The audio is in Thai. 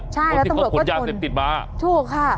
ใช่แล้วตำรวจก็ชนถูกค่ะ